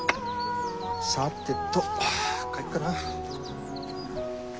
さてと帰っかな。